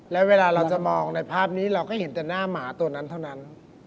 แล้วเวลาเราจะมองในภาพนี้เราก็เห็นแต่หน้าหมาตัวนั้นเท่านั้น